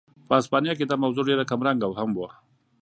په هسپانیا کې دا موضوع ډېره کمرنګه هم وه.